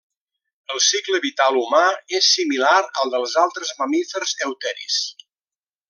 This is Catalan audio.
El cicle vital humà és similar al dels altres mamífers euteris.